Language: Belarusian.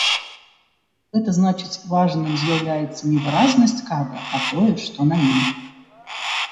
Гэта значыць важным з'яўляецца не выразнасць кадра, а тое, што на ім.